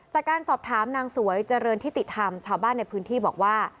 จากการสอบถามนางสวยเจริญทิติธรรมชาวบ้านในพื้นที่บอกว่า